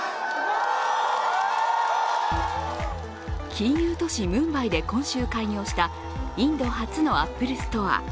金融都市・ムンバイで今週開業したインド初のアップルストア。